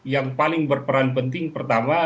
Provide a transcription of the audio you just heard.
yang paling berperan penting pertama